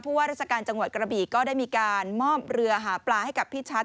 ว่าราชการจังหวัดกระบีก็ได้มีการมอบเรือหาปลาให้กับพี่ชัด